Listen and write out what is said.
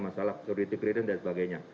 masalah security creator dan sebagainya